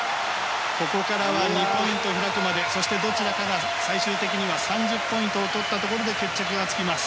ここからは２ポイント開くまでそして、どちらかが最終的には３０ポイントを取ったところで決着がつきます。